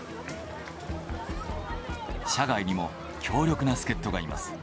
社外にも強力な助っ人がいます。